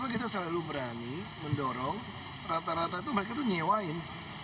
kita selalu berani mendorong rata rata itu mereka tuh nyewain